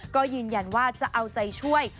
ก็ยืนยันว่าจะเอาใจช่วย